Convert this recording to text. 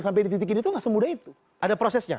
sampai di titik ini tuh gak semudah itu ada prosesnya